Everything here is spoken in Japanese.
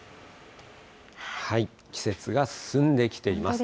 季節が進んできています。